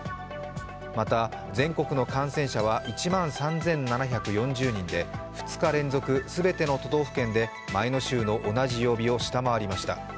また全国の感染者数は１万３７４０人で２日連続、全ての都道府県で前の週の同じ曜日を下回りました。